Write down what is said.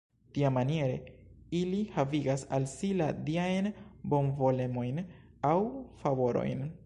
Tiamaniere ili havigas al si la diajn bonvolemojn aŭ favorojn.